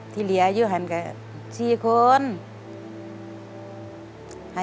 ที่เหลียอยู่กันกันชิคกี้พาย